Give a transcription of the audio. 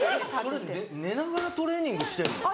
それ寝ながらトレーニングしてるんですか？